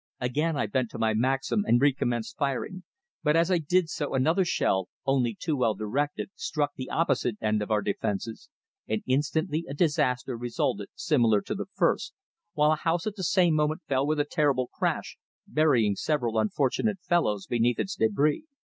Again I bent to my Maxim and recommenced firing, but as I did so another shell, only too well directed, struck the opposite end of our defences, and instantly a disaster resulted similar to the first, while a house at the same moment fell with a terrible crash, burying several unfortunate fellows beneath its débris.